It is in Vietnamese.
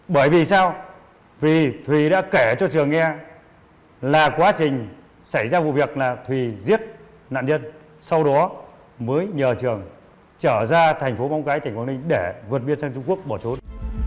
bởi vì sao vì thùy đã kể cho trường nghe là quá trình xảy ra vụ việc là thùy giết nạn nhân sau đó mới nhờ trường trở ra thành phố móng cái tỉnh quảng ninh để vượt biên sang trung quốc bỏ trốn